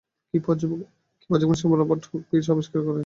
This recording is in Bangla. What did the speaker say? কী পর্যবেক্ষণের সময় রবার্ট হুক কোষ আবিষ্কার করেন?